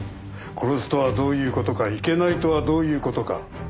「殺す」とはどういう事か「いけない」とはどういう事か。